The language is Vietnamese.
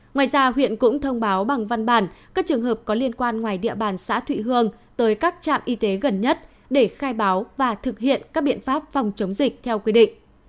ngoài ra huyện cũng thông báo bằng văn bản các trường hợp có liên quan ngoài địa bàn xã thụy hương tới các trạm y tế gần nhất để khai báo và thực hiện các biện pháp phòng chống dịch theo quy định